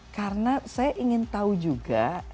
karena saya ingin tahu juga